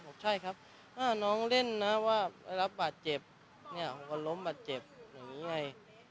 บอกใช่ครับน้องเล่นนะว่าได้รับบาดเจ็บของคนล้มบาดเจ็บอย่างนี้ไง